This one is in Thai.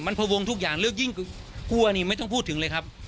มันพวงทุกอย่างแล้วยิ่งกลัวนี่ไม่ต้องพูดถึงเลยครับ